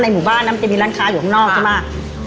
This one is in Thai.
แฟนก็ทำงานที่นี่มั่งก็ซื้อกันไป